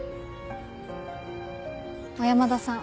尾山田さん